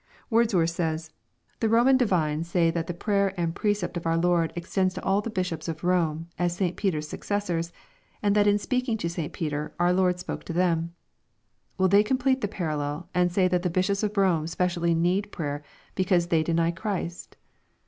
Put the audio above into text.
Wordsworth says, "The Boman divines say tliat the yra^^ 416 EXPOSITOKY THOUGHTS. and precept of our Lord extends to all the Bishops of Rome, as St Peter's successors, and that in speaking to St. Peter, our Lcvrd spoke to them. Will thej complete tlie parallel, and say that the Bishops of Rome specially need prayer, because they deny Christ